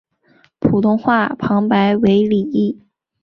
普通话旁白为李易。